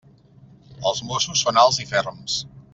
Els mossos són alts i ferms.